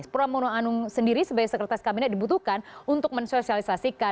pramono anung sendiri sebagai sekretaris kabinet dibutuhkan untuk mensosialisasikan